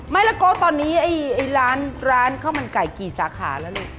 ไม่แล้วโก๊ตอนนี้ไอ้ร้านข้าวมันไก่กี่สาขาแล้วลูก